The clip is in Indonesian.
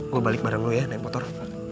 gue balik bareng lo ya naik motor